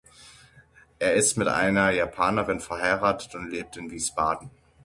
Er ist mit einer Japanerin verheiratet und lebt in Wiesbaden.